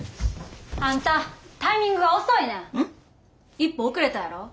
１歩遅れたやろ。